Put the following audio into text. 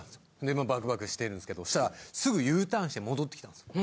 まあバクバクしてるんですけどそしたらすぐＵターンして戻ってきたんですよ。